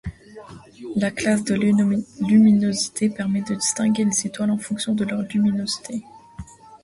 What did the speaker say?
La classe de luminosité permet de distinguer les étoiles en fonction de leur luminosité.